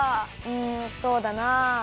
うんそうだなあ。